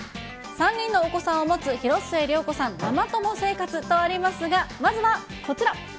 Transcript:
３人のお子さんを持つ広末涼子さん、ママ友生活とありますが、まずはこちら。